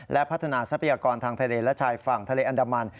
และพัฒนาทรัพยากรทางทะเลและชายฝั่งทะเลอันดามัน